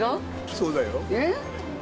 そうだよ。